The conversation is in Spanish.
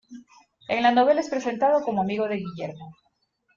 En la novela es presentado como amigo de Guillermo.